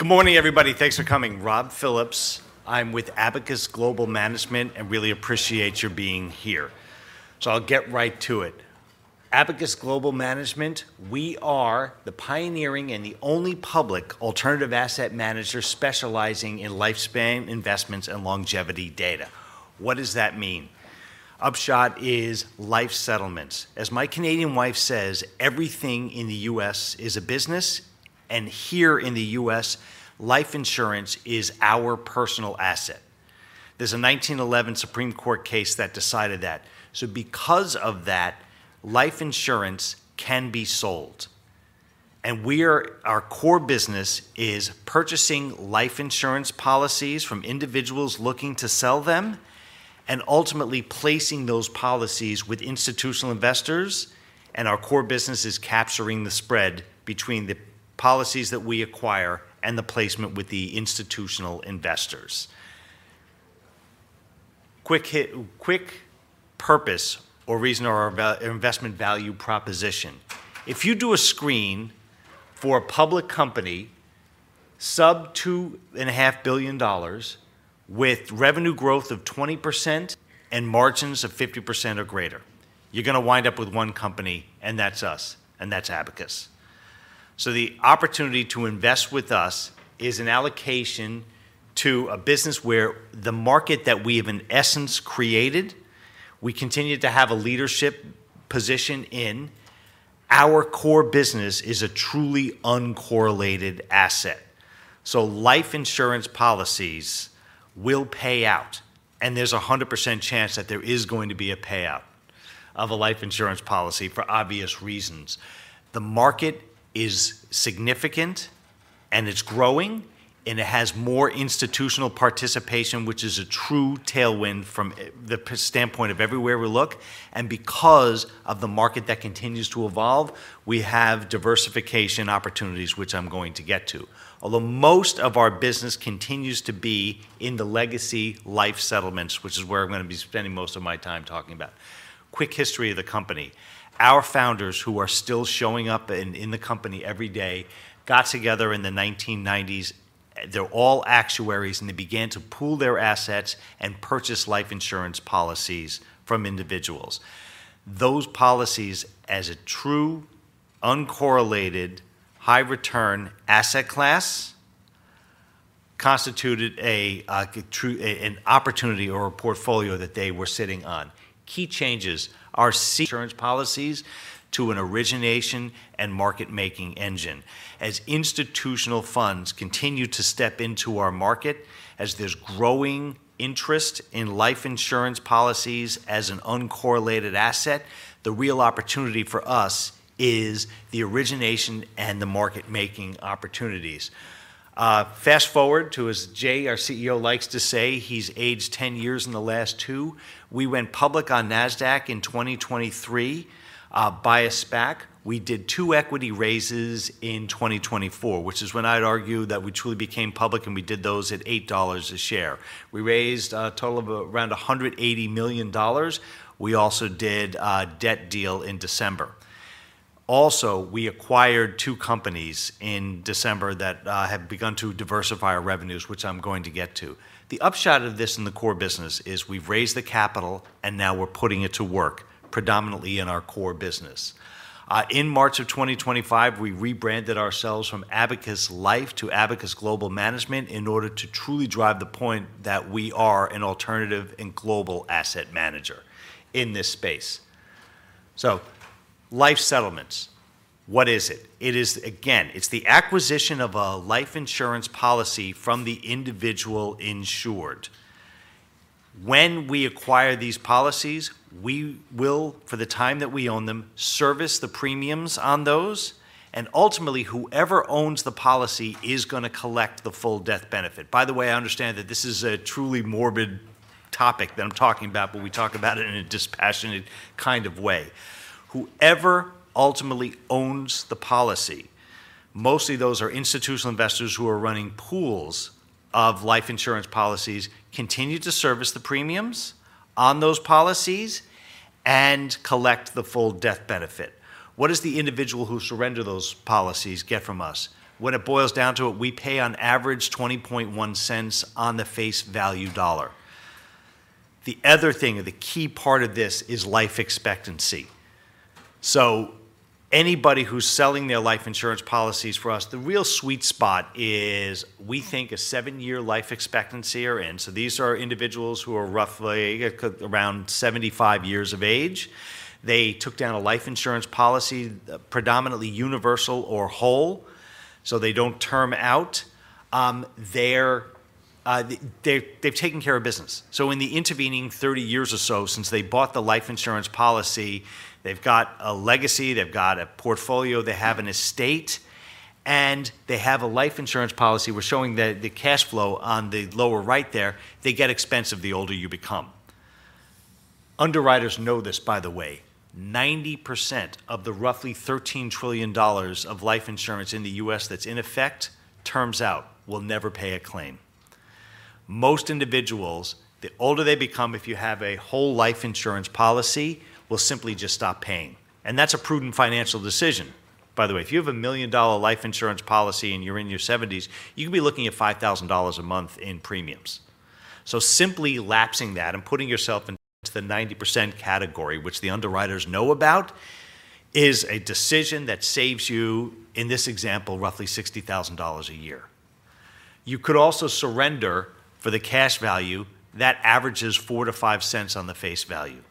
Good morning, everybody. Thanks for coming. Rob Phillips, I'm with Abacus Global Management and really appreciate your being here. I'll get right to it. Abacus Global Management, we are the pioneering and the only public alternative asset manager specializing in lifespan investments and longevity data. What does that mean? Upshot is life settlements. As my Canadian wife says, everything in the U.S. is a business, and here in the U.S., life insurance is our personal asset. There's a 1911 Supreme Court case that decided that. Because of that, life insurance can be sold. Our core business is purchasing life insurance policies from individuals looking to sell them and ultimately placing those policies with institutional investors. Our core business is capturing the spread between the policies that we acquire and the placement with the institutional investors. Quick purpose or reason or investment value proposition. If you do a screen for a public company, sub-$2.5 billion with revenue growth of 20% and margins of 50% or greater, you're going to wind up with one company, and that's us, and that's Abacus. The opportunity to invest with us is an allocation to a business where the market that we have in essence created, we continue to have a leadership position in. Our core business is a truly uncorrelated asset. Life insurance policies will pay out, and there's a 100% chance that there is going to be a payout of a life insurance policy for obvious reasons. The market is significant, and it's growing, and it has more institutional participation, which is a true tailwind from the standpoint of everywhere we look. Because of the market that continues to evolve, we have diversification opportunities, which I'm going to get to. Although most of our business continues to be in the legacy life settlements, which is where I'm going to be spending most of my time talking about. Quick history of the company. Our founders, who are still showing up in the company every day, got together in the 1990s. They're all actuaries, and they began to pool their assets and purchase life insurance policies from individuals. Those policies, as a true uncorrelated high-return asset class, constituted an opportunity or a portfolio that they were sitting on. Key changes are insurance policies to an origination and market-making engine. As institutional funds continue to step into our market, as there's growing interest in life insurance policies as an uncorrelated asset, the real opportunity for us is the origination and the market-making opportunities. Fast forward to, as Jay, our CEO, likes to say, he's aged 10 years in the last two. We went public on NASDAQ in 2023 by a SPAC. We did two equity raises in 2024, which is when I'd argue that we truly became public, and we did those at $8 a share. We raised a total of around $180 million. We also did a debt deal in December. Also, we acquired two companies in December that have begun to diversify our revenues, which I'm going to get to. The upshot of this in the core business is we've raised the capital, and now we're putting it to work, predominantly in our core business. In March of 2025, we rebranded ourselves from Abacus Life to Abacus Global Management in order to truly drive the point that we are an alternative and global asset manager in this space. Life settlements, what is it? It is, again, it's the acquisition of a life insurance policy from the individual insured. When we acquire these policies, we will, for the time that we own them, service the premiums on those, and ultimately, whoever owns the policy is going to collect the full death benefit. By the way, I understand that this is a truly morbid topic that I'm talking about, but we talk about it in a dispassionate kind of way. Whoever ultimately owns the policy, mostly those are institutional investors who are running pools of life insurance policies, continue to service the premiums on those policies and collect the full death benefit. What does the individual who surrendered those policies get from us? When it boils down to it, we pay on average $0.201 on the face value dollar. The other thing, the key part of this, is life expectancy. Anybody who's selling their life insurance policies for us, the real sweet spot is we think a seven-year life expectancy are in. These are individuals who are roughly around 75 years of age. They took down a life insurance policy, predominantly universal or whole, so they don't term out. They've taken care of business. In the intervening 30 years or so since they bought the life insurance policy, they've got a legacy, they've got a portfolio, they have an estate, and they have a life insurance policy where showing that the cash flow on the lower right there, they get expensive the older you become. Underwriters know this, by the way. 90% of the roughly $13 trillion of life insurance in the U.S. that's in effect terms out will never pay a claim. Most individuals, the older they become, if you have a whole life insurance policy, will simply just stop paying. That is a prudent financial decision. By the way, if you have a $1 million life insurance policy and you are in your 70s, you can be looking at $5,000 a month in premiums. Simply lapsing that and putting yourself into the 90% category, which the underwriters know about, is a decision that saves you, in this example, roughly $60,000 a year. You could also surrender for the cash value that averages 4%-5% on the face value.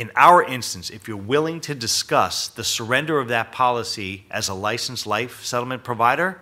In our instance, if you are willing to discuss the surrender of that policy as a licensed life settlement provider,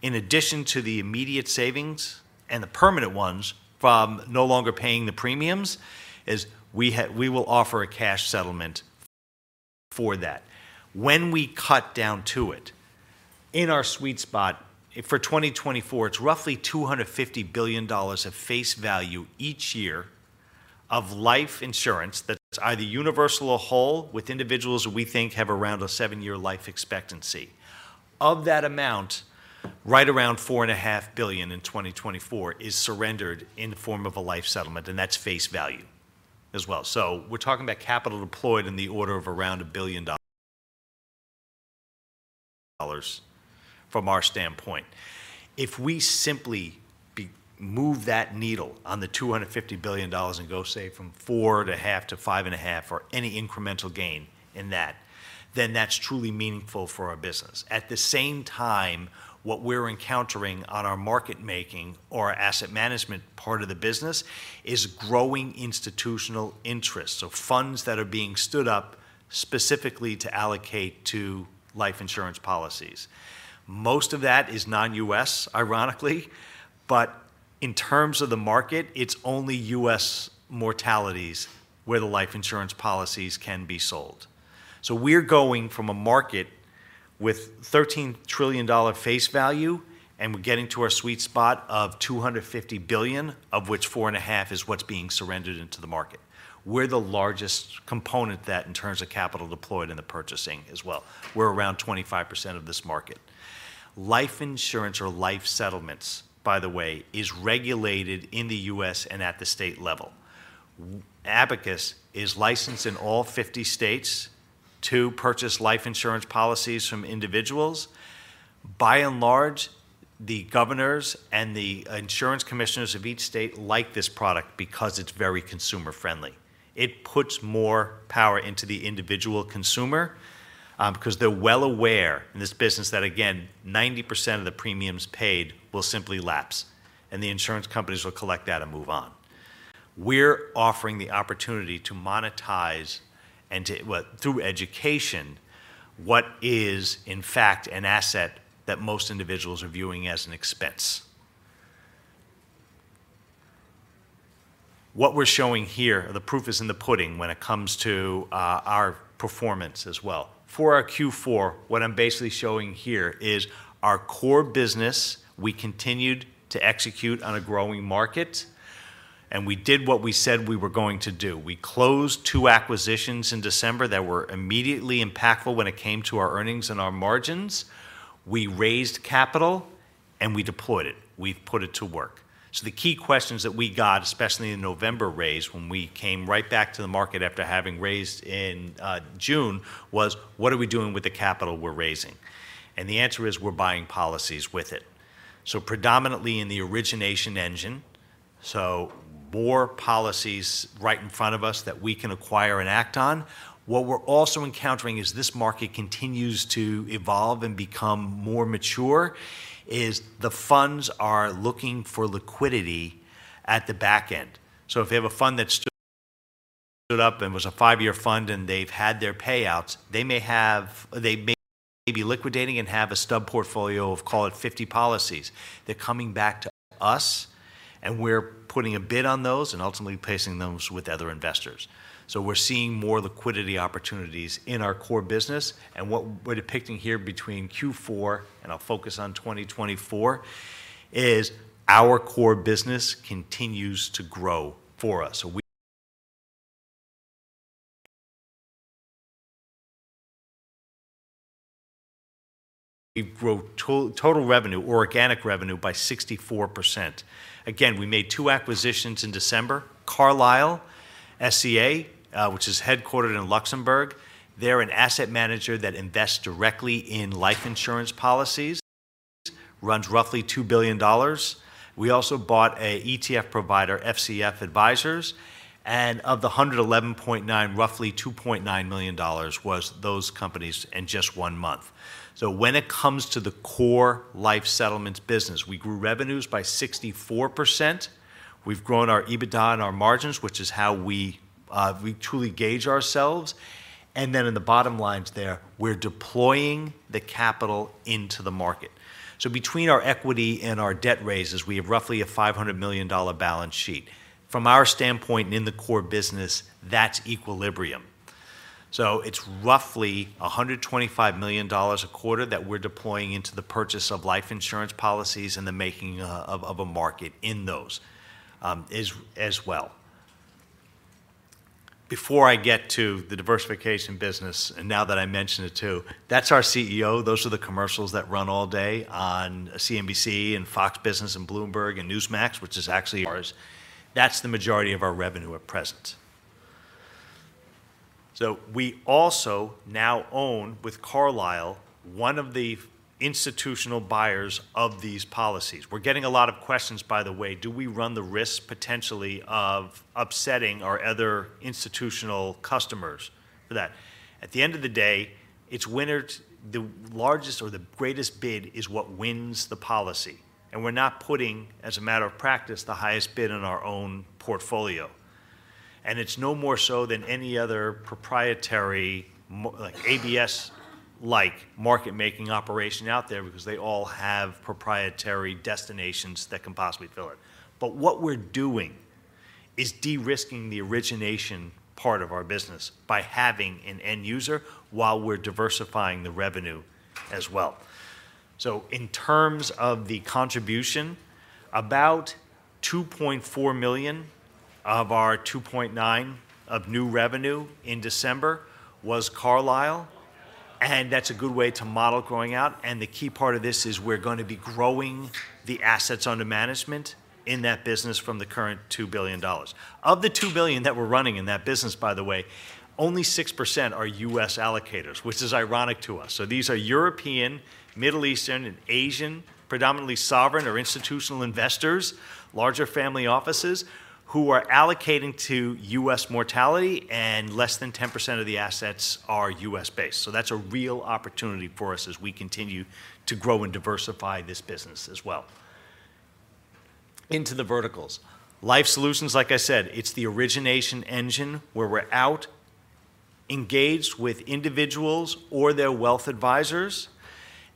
in addition to the immediate savings and the permanent ones from no longer paying the premiums, we will offer a cash settlement for that. When we cut down to it, in our sweet spot for 2024, it's roughly $250 billion of face value each year of life insurance that's either universal or whole with individuals who we think have around a seven-year life expectancy. Of that amount, right around $4.5 billion in 2024 is surrendered in the form of a life settlement, and that's face value as well. We're talking about capital deployed in the order of around $1 billion from our standpoint. If we simply move that needle on the $250 billion and go, say, from $4.5 billion-$5.5 billion or any incremental gain in that, then that's truly meaningful for our business. At the same time, what we're encountering on our market-making or asset management part of the business is growing institutional interests of funds that are being stood up specifically to allocate to life insurance policies. Most of that is non-U.S., ironically, but in terms of the market, it's only U.S. mortalities where the life insurance policies can be sold. We're going from a market with $13 trillion face value, and we're getting to our sweet spot of $250 billion, of which $4.5 billion is what's being surrendered into the market. We're the largest component of that in terms of capital deployed in the purchasing as well. We're around 25% of this market. Life insurance or life settlements, by the way, is regulated in the U.S. and at the state level. Abacus is licensed in all 50 states to purchase life insurance policies from individuals. By and large, the governors and the insurance commissioners of each state like this product because it's very consumer-friendly. It puts more power into the individual consumer because they're well aware in this business that, again, 90% of the premiums paid will simply lapse, and the insurance companies will collect that and move on. We're offering the opportunity to monetize through education what is, in fact, an asset that most individuals are viewing as an expense. What we're showing here, the proof is in the pudding when it comes to our performance as well. For our Q4, what I'm basically showing here is our core business we continued to execute on a growing market, and we did what we said we were going to do. We closed two acquisitions in December that were immediately impactful when it came to our earnings and our margins. We raised capital, and we deployed it. We've put it to work. The key questions that we got, especially in November, raised when we came right back to the market after having raised in June, was, what are we doing with the capital we're raising? The answer is we're buying policies with it. Predominantly in the origination engine, more policies right in front of us that we can acquire and act on. What we're also encountering as this market continues to evolve and become more mature is the funds are looking for liquidity at the back end. If you have a fund that stood up and was a five-year fund and they've had their payouts, they may be liquidating and have a stub portfolio of, call it, 50 policies. They're coming back to us, and we're putting a bid on those and ultimately placing those with other investors. We're seeing more liquidity opportunities in our core business. What we're depicting here between Q4 and I'll focus on 2024 is our core business continues to grow for us. We grow total revenue, organic revenue by 64%. Again, we made two acquisitions in December. Carlyle SCA, which is headquartered in Luxembourg, they're an asset manager that invests directly in life insurance policies, runs roughly $2 billion. We also bought an ETF provider, FCF Advisors, and of the $111.9 million, roughly $2.9 million was those companies in just one month. When it comes to the core life settlements business, we grew revenues by 64%. We've grown our EBITDA and our margins, which is how we truly gauge ourselves. In the bottom lines there, we're deploying the capital into the market. Between our equity and our debt raises, we have roughly a $500 million balance sheet. From our standpoint and in the core business, that's equilibrium. It's roughly $125 million a quarter that we're deploying into the purchase of life insurance policies and the making of a market in those as well. Before I get to the diversification business, and now that I mentioned it too, that's our CEO. Those are the commercials that run all day on CNBC and Fox Business and Bloomberg and Newsmax, which is actually ours. That's the majority of our revenue at present. We also now own with Carlyle one of the institutional buyers of these policies. We're getting a lot of questions, by the way. Do we run the risk potentially of upsetting our other institutional customers for that? At the end of the day, the largest or the greatest bid is what wins the policy. We are not putting, as a matter of practice, the highest bid in our own portfolio. It is no more so than any other proprietary ABS-like market-making operation out there because they all have proprietary destinations that can possibly fill it. What we are doing is de-risking the origination part of our business by having an end user while we are diversifying the revenue as well. In terms of the contribution, about $2.4 million of our $2.9 million of new revenue in December was Carlyle. That is a good way to model growing out. The key part of this is we are going to be growing the assets under management in that business from the current $2 billion. Of the $2 billion that we are running in that business, by the way, only 6% are U.S. allocators, which is ironic to us. These are European, Middle Eastern, and Asian, predominantly sovereign or institutional investors, larger family offices who are allocating to US mortality, and less than 10% of the assets are US-based. That is a real opportunity for us as we continue to grow and diversify this business as well. Into the verticals. Life solutions, like I said, is the origination engine where we are out engaged with individuals or their wealth advisors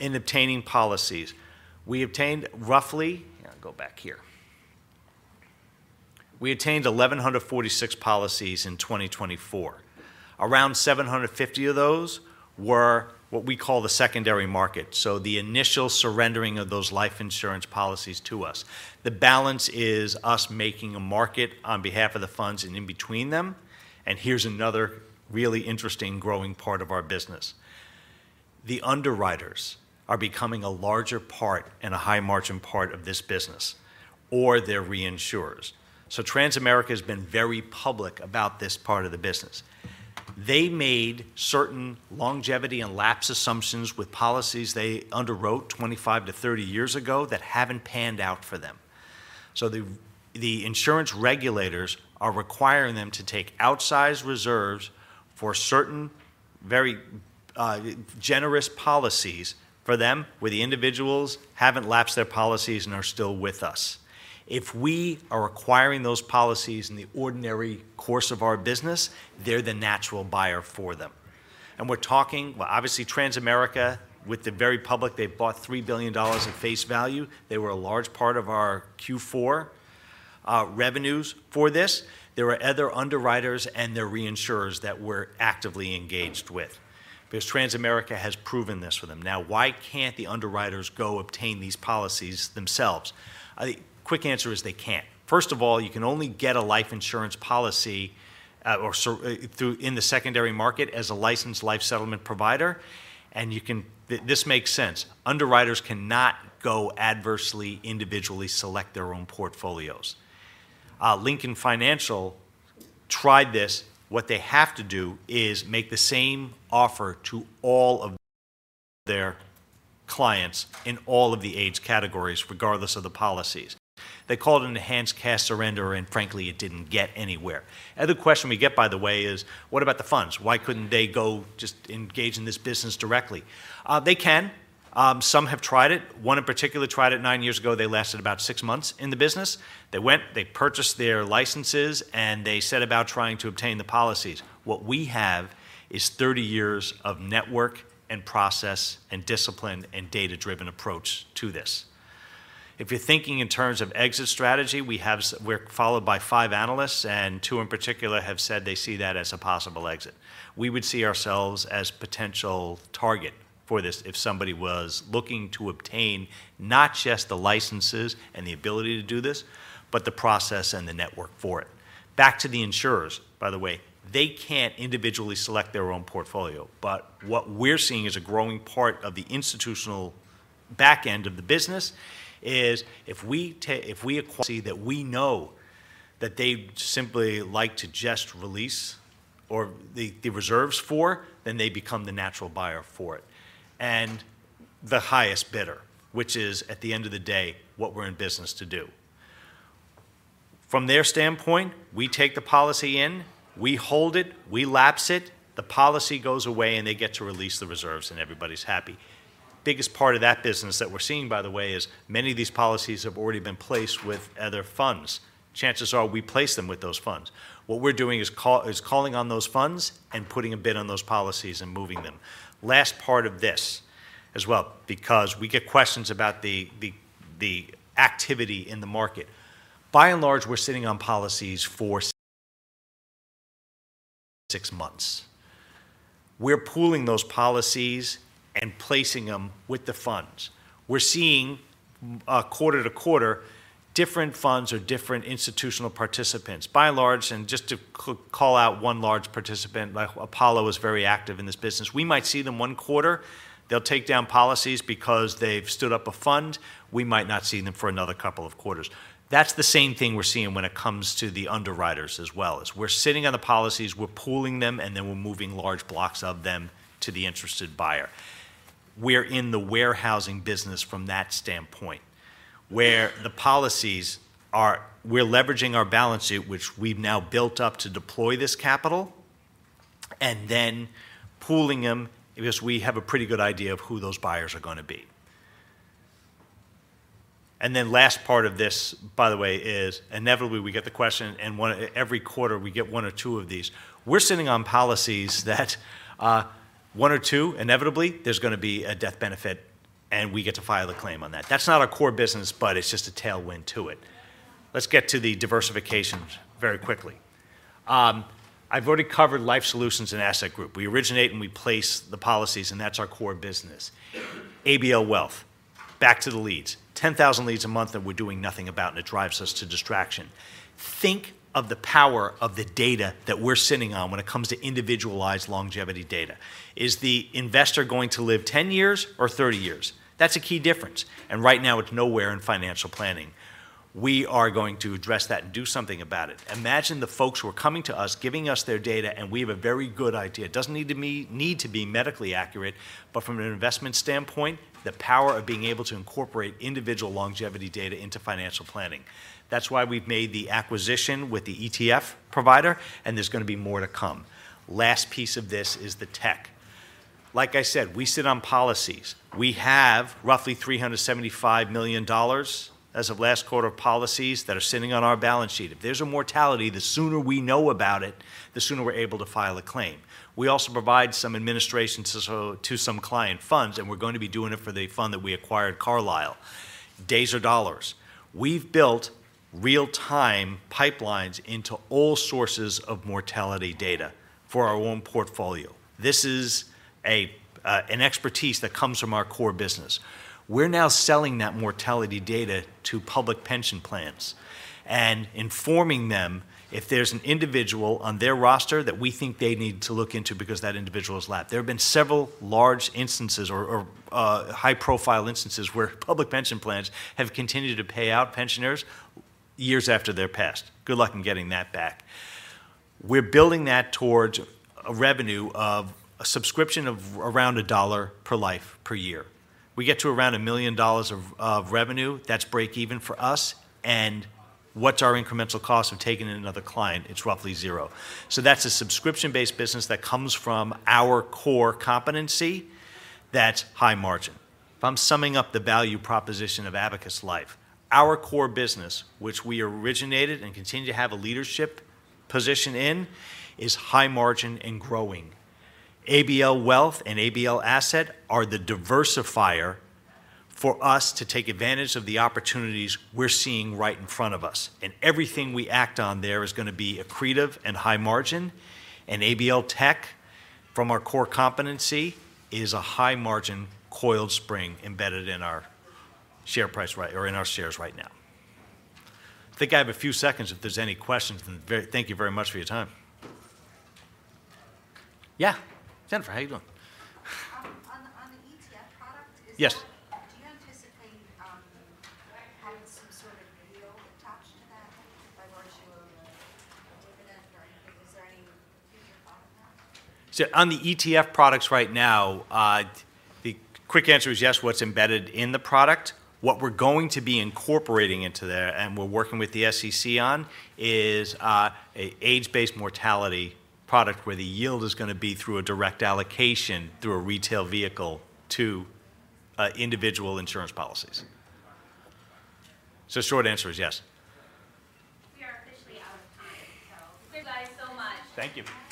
in obtaining policies. We obtained roughly—yeah, go back here. We obtained 1,146 policies in 2024. Around 750 of those were what we call the secondary market. That is the initial surrendering of those life insurance policies to us. The balance is us making a market on behalf of the funds and in between them. Here is another really interesting growing part of our business. The underwriters are becoming a larger part and a high-margin part of this business or their reinsurers. Transamerica has been very public about this part of the business. They made certain longevity and lapse assumptions with policies they underwrote 25 years to 30 years ago that haven't panned out for them. The insurance regulators are requiring them to take outsized reserves for certain very generous policies for them where the individuals haven't lapsed their policies and are still with us. If we are acquiring those policies in the ordinary course of our business, they're the natural buyer for them. We're talking, obviously, Transamerica with the very public, they've bought $3 billion of face value. They were a large part of our Q4 revenues for this. There were other underwriters and their reinsurers that were actively engaged with because Transamerica has proven this for them. Now, why can't the underwriters go obtain these policies themselves? The quick answer is they can't. First of all, you can only get a life insurance policy in the secondary market as a licensed life settlement provider, and this makes sense. Underwriters cannot go adversely individually select their own portfolios. Lincoln Financial tried this. What they have to do is make the same offer to all of their clients in all of the age categories regardless of the policies. They called it an enhanced cash surrender, and frankly, it didn't get anywhere. The other question we get, by the way, is what about the funds? Why couldn't they go just engage in this business directly? They can. Some have tried it. One in particular tried it nine years ago. They lasted about six months in the business. They went, they purchased their licenses, and they set about trying to obtain the policies. What we have is 30 years of network and process and discipline and data-driven approach to this. If you're thinking in terms of exit strategy, we're followed by five analysts, and two in particular have said they see that as a possible exit. We would see ourselves as a potential target for this if somebody was looking to obtain not just the licenses and the ability to do this, but the process and the network for it. Back to the insurers, by the way, they can't individually select their own portfolio, but what we're seeing as a growing part of the institutional back end of the business is if we acquire a policy that we know that they simply like to just release or the reserves for, then they become the natural buyer for it and the highest bidder, which is, at the end of the day, what we're in business to do. From their standpoint, we take the policy in, we hold it, we lapse it, the policy goes away, and they get to release the reserves, and everybody's happy. The biggest part of that business that we're seeing, by the way, is many of these policies have already been placed with other funds. Chances are we place them with those funds. What we're doing is calling on those funds and putting a bid on those policies and moving them. Last part of this as well, because we get questions about the activity in the market. By and large, we're sitting on policies for six months. We're pooling those policies and placing them with the funds. We're seeing quarter to quarter different funds or different institutional participants. By and large, and just to call out one large participant, Apollo is very active in this business. We might see them one quarter. They'll take down policies because they've stood up a fund. We might not see them for another couple of quarters. That's the same thing we're seeing when it comes to the underwriters as well. We're sitting on the policies, we're pooling them, and then we're moving large blocks of them to the interested buyer. We're in the warehousing business from that standpoint where the policies are, we're leveraging our balance sheet, which we've now built up to deploy this capital, and then pooling them because we have a pretty good idea of who those buyers are going to be. The last part of this, by the way, is inevitably we get the question, and every quarter we get one or two of these. We're sitting on policies that one or two, inevitably, there's going to be a death benefit, and we get to file a claim on that. That's not our core business, but it's just a tailwind to it. Let's get to the diversification very quickly. I've already covered Life Solutions and Asset Group. We originate and we place the policies, and that's our core business. ABL Wealth, back to the leads. 10,000 leads a month that we're doing nothing about, and it drives us to distraction. Think of the power of the data that we're sitting on when it comes to individualized longevity data. Is the investor going to live 10 years or 30 years? That's a key difference. Right now, it's nowhere in financial planning. We are going to address that and do something about it. Imagine the folks who are coming to us, giving us their data, and we have a very good idea. It doesn't need to be medically accurate, but from an investment standpoint, the power of being able to incorporate individual longevity data into financial planning. That's why we've made the acquisition with the ETF provider, and there's going to be more to come. Last piece of this is the tech. Like I said, we sit on policies. We have roughly $375 million as of last quarter of policies that are sitting on our balance sheet. If there's a mortality, the sooner we know about it, the sooner we're able to file a claim. We also provide some administration to some client funds, and we're going to be doing it for the fund that we acquired, Carlyle. Days or dollars. We've built real-time pipelines into all sources of mortality data for our own portfolio. This is an expertise that comes from our core business. We're now selling that mortality data to public pension plans and informing them if there's an individual on their roster that we think they need to look into because that individual has left. There have been several large instances or high-profile instances where public pension plans have continued to pay out pensioners years after they're passed. Good luck in getting that back. We're building that towards a revenue of a subscription of around a dollar per life per year. We get to around $1 million of revenue. That's break-even for us. What's our incremental cost of taking in another client? It's roughly zero. That's a subscription-based business that comes from our core competency that's high margin. If I'm summing up the value proposition of Abacus Life, our core business, which we originated and continue to have a leadership position in, is high margin and growing. ABL Wealth and ABL Asset are the diversifier for us to take advantage of the opportunities we're seeing right in front of us. Everything we act on there is going to be accretive and high margin. ABL Tech, from our core competency, is a high-margin coiled spring embedded in our share price or in our shares right now. I think I have a few seconds if there's any questions. Thank you very much for your time. Yeah. Jennifer, how are you doing? On the ETF product, do you anticipate having some sort of yield attached to that by virtue of a dividend or anything? Is there any future thought on that? On the ETF products right now, the quick answer is yes, what's embedded in the product. What we're going to be incorporating into there and we're working with the SEC on is an age-based mortality product where the yield is going to be through a direct allocation through a retail vehicle to individual insurance policies. Short answer is yes. We are officially out of time, so. Thank you guys so much. Thank you.